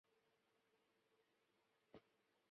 巴黎圣日耳曼是本届的卫冕冠军。